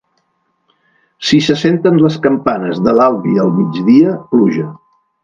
Si se senten les campanes de l'Albi al migdia, pluja.